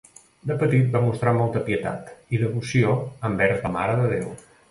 De petit va mostrar molta pietat i devoció envers la Mare de Déu.